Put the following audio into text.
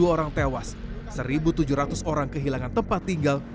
dua orang tewas satu tujuh ratus orang kehilangan tempat tinggal